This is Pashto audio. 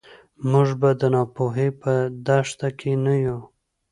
موږ به د ناپوهۍ په دښته کې نه یو.